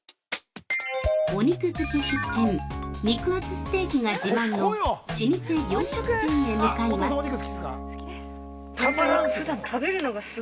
◆お肉好き必見肉厚ステーキが自慢の老舗洋食店へ向かいます。